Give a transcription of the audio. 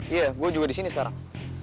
iya gue juga di sini sekarang